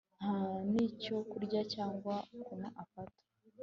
nta nicyo kurya cyangwa kunywa afata